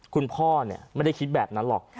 คุณพ่อไม่ได้คิดแบบนั้นหรอก